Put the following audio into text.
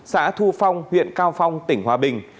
xã thu phong huyện cao phong tỉnh hòa bình